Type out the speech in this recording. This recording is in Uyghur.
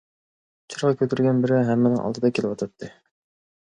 چىراغ كۆتۈرگەن بىرى ھەممىنىڭ ئالدىدا كېلىۋاتاتتى.